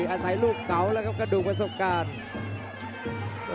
อาศัยลูกเก่าแล้วครับกระดูกประสบการณ์